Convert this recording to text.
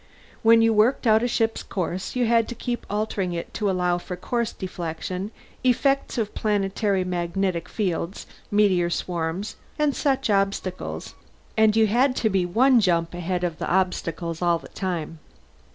When you worked out a ship's course, you had to keep altering it to allow for course deflection, effects of planetary magnetic fields, meteor swarms, and such obstacles and you had to be one jump ahead of the obstacles all the time.